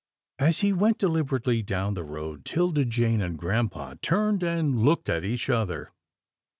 As he went deliberately down the road, 'Tilda Jane and grampa turned and looked at each other.